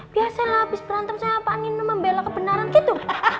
biasalah abis berantem sama pak nino membelah kebenaran gitu